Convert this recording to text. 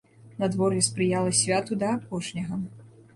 Надвор'е спрыяла святу да апошняга.